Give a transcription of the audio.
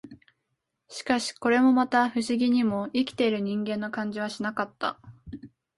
しかし、これもまた、不思議にも、生きている人間の感じはしなかった